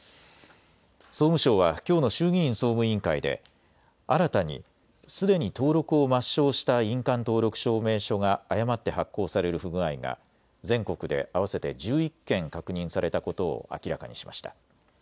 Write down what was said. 総務省はきょうの衆議院総務委員会で新たにすでに登録を抹消した印鑑登録証明書が誤って発行される不具合が全国で合わせて１１件確認されたことを明らかにしました。